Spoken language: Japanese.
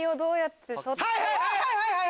はいはいはい！